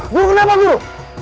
guru kenapa guru